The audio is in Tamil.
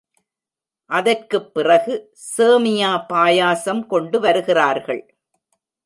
அதற்குப் பிறகு சேமியா பாயசம் கொண்டு வருகிறார்கள்.